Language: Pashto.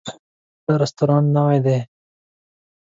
دا رستورانت نوی ده